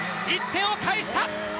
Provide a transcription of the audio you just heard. １点を返した！